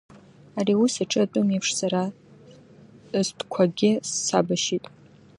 Ари аус аҿы атәым иеиԥш сара стәқәагьы сабашьит.